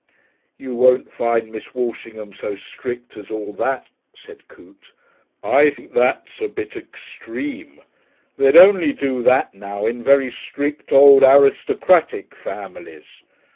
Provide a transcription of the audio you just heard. "You won't find Miss Walshingham so strict as all that," said Coote. "I think that's a bit extreme. They'd only do that now in very strict old aristocratic families.